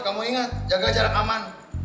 kamu ingat jaga jarak aman